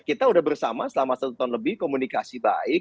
kita sudah bersama selama satu tahun lebih komunikasi baik